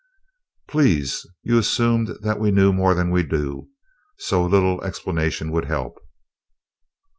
"Please. You assumed that we knew more than we do, so a little explanation would help."